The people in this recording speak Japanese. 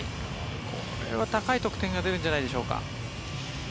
これは高い得点が出るんじゃないでしょうか。